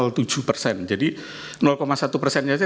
perbedaan rata rata antara hitung cepat dengan hasil perhitungan manual